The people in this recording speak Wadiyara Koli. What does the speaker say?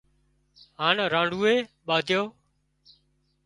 هانَ رانڍوئي ٻاڌيو